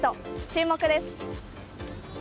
注目です。